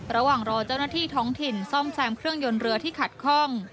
ระหว่างรอเจ้าหน้าที่ท้องถิ่นซ่อมแซมเครื่องยนต์เรือที่ขัดข้อง